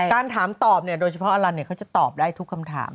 การถามตอบโดยเฉพาะอลันเขาจะตอบได้ทุกคำถาม